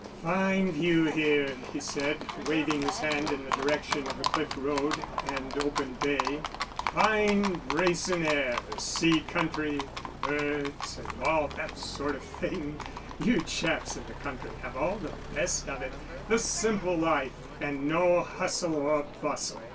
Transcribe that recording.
"Fine view, here," he said, waving his hand in the direction of the cliff road and open bay. "Fine, bracin' air sea country birds and all that sort of thing. You chaps in the country have all the best of it the simple life, and no hustle or bustle."